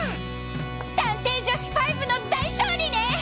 探偵女子ファイブの大勝利ね！